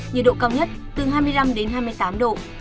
nhiệt độ cao nhất từ hai mươi năm hai mươi tám độ